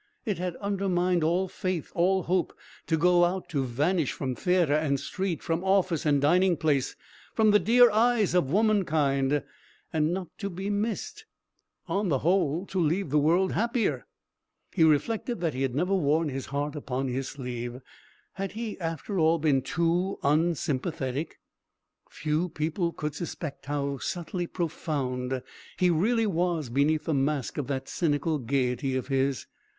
It had undermined all faith all hope. To go out, to vanish from theatre and street, from office and dining place, from the dear eyes of womankind. And not to be missed! On the whole to leave the world happier! He reflected that he had never worn his heart upon his sleeve. Had he after all been too unsympathetic? Few people could suspect how subtly profound he really was beneath the mask of that cynical gaiety of his.